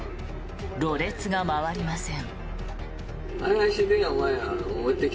ろれつが回りません。